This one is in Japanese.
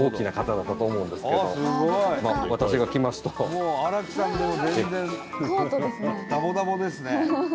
もう荒木さんでも全然だぼだぼですね。